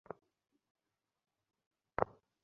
আর তোদের দেশে জাতের বড়াই করে করে তোদের অন্ন পর্যন্ত জুটছে না।